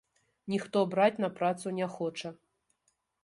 Ніхто браць на працу не хоча.